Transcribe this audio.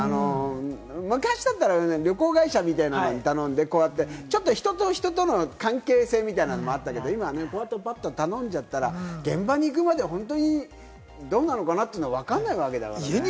昔だったら旅行会社みたいなのに頼んで、人と人との関係性みたいなのもあったけれども、今はこうやってパッと頼んだら現場に行くまでどうなのか、わかんないわけだからね。